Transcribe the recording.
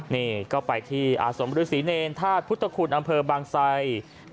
นี่ก็ไปที่อาสมฤษีเนรธาตุพุทธคุณอำเภอบางไซ